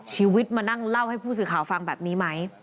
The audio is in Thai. ชีวิตมานั่งเล่าให้ผู้สื่อข่าวฟังแบบนี้ไหม